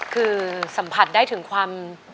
คือสัมผัสได้ถึงความ